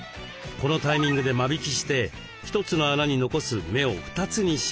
このタイミングで間引きして一つの穴に残す芽を２つにします。